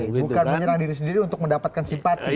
bukan menyerang diri sendiri untuk mendapatkan simpati